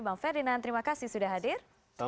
bang ferdinand terima kasih sudah hadir